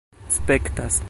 spektas